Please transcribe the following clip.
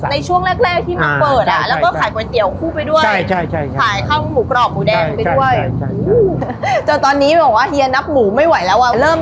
ในช่วงแรกที่มาเปิดแล้วก็ขายก๋วยเตี๋ยวคู่ไปด้วย